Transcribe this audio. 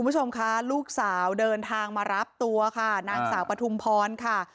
คุณผู้ชมคะลูกสาวเดินทางมารับตัวค่ะนางสาวปฐุมพรค่ะ